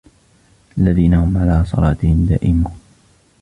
الَّذِينَ هُمْ عَلَى صَلَاتِهِمْ دَائِمُونَ